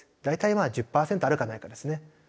大体１０％あるかないかですね。